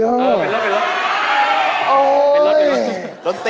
เออลุก